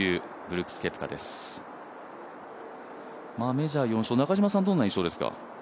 メジャー４勝、中嶋さん、どんな印象ですか。